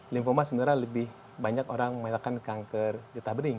lymphoma sebenarnya lebih banyak orang mengatakan kanker getah bening